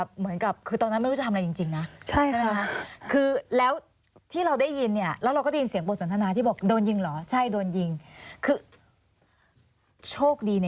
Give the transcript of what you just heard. เหมือนกับคือตอนนั้นไม่รู้จะทำอะไรจริงนะ